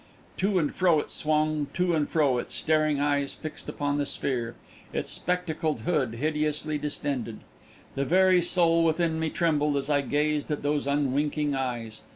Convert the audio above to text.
To and fro it swung, to and fro, its staring eyes fixed upon the sphere, its spectacled hood hideously distended. The very soul within me trembled as I gazed at those unwinking eyes.